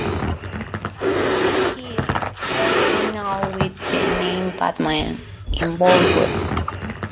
He is also known with the name "Bad Man" in Bollywood.